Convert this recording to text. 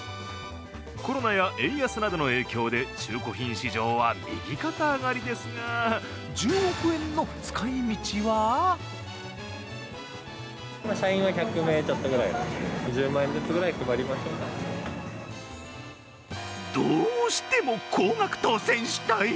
コロナや円安などの影響で、中古品市場は右肩上がりですが１０億円の使い道はどうしても高額当せんしたい！